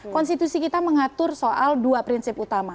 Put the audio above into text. konstitusi kita mengatur soal dua prinsip utama